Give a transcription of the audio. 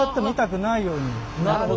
なるほど。